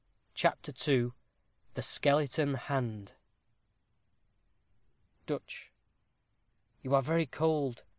CHAPTER II THE SKELETON HAND Duch. You are very cold.